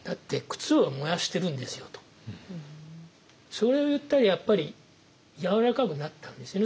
それを言ったらやっぱりやわらかくなったんですよね